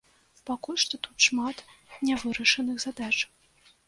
Пакуль што тут шмат нявырашаных задач.